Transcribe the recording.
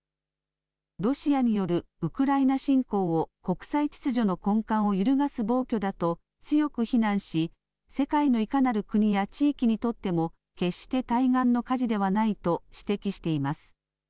ロシアによるウクライナ侵攻を国際秩序の根幹を揺るがす暴挙だと強く非難し、世界のいかなる国や地域にとっても、決して対岸の火事ではないと指摘しています。